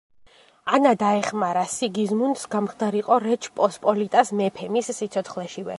ანა დაეხმარა სიგიზმუნდს გამხდარიყო რეჩ პოსპოლიტას მეფე, მის სიცოცხლეშივე.